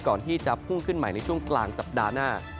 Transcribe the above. ก่อนที่จะพุ่งขึ้นใหม่ในช่วงกลางสัปดาห์หน้า